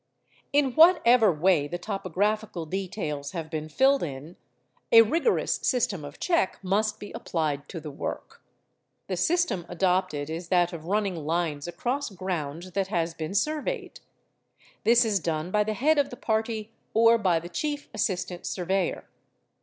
In whatever way the topographical details have been filled in, a rigorous system of check must be applied to the work. The system adopted is that of running lines across ground that has been surveyed. This is done by the head of the party or by the chief assistant surveyor.